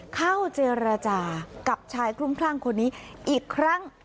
เข้าเจรจากับชายคลุ้มคลั่งคนนี้อีกครั้ง